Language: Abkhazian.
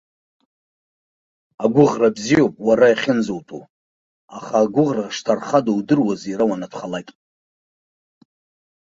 Агәыӷра бзиоуп уара иахьынӡоутәу, аха агәыӷра шҭархагоу удыруаз иара уанатәхалак.